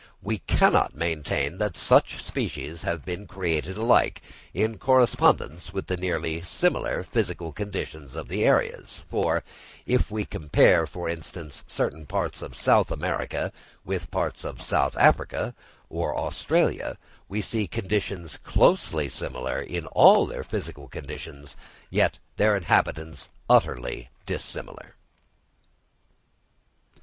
We cannot maintain that such species have been created alike, in correspondence with the nearly similar physical conditions of the areas; for if we compare, for instance, certain parts of South America with parts of South Africa or Australia, we see countries closely similar in all their physical conditions, with their inhabitants utterly dissimilar.